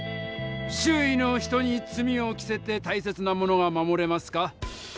周囲の人に罪を着せてたいせつなものが守れますか？